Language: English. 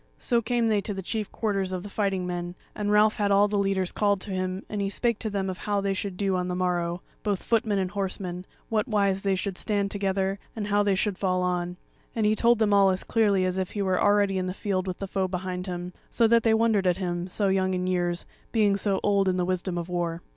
So came they to the chief quarters of the fighting men, and Ralph had all the leaders called to him, and he spake to them of how they should do on the morrow, both footmen and horsemen, whatwise they should stand together, and how they should fall on; and he told them all as clearly as if he were already in the field with the foe before him; so that they wondered at him, so young in years, being so old in the wisdom of war.